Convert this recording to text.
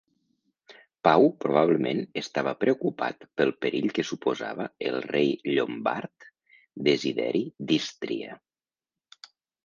Pau probablement estava preocupat pel perill que suposava el rei llombard Desideri d'Ístria.